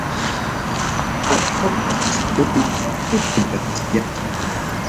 Cobrechawan acerowan hukman kaskillasqa.